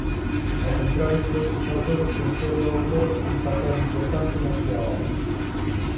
Ao contrario que outros autores concede ao humor un papel importante na súa obra.